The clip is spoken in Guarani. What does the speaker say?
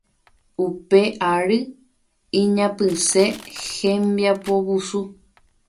Upe ary iñapysẽ hembiapovusu